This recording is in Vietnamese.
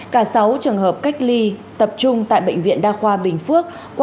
cả sáu trường hợp cách ly tập trung tại bệnh viện đa khoa tp hcm